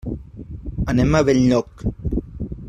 Anem a Benlloc.